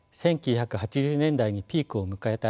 １９８０年代にピークを迎えた